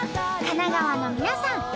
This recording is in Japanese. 神奈川の皆さん